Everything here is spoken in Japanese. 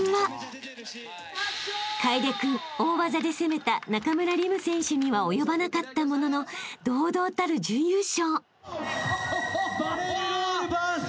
［楓君大技で攻めた中村輪夢選手には及ばなかったものの堂々たる準優勝！］